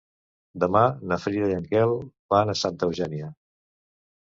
Demà na Frida i en Quel van a Santa Eugènia.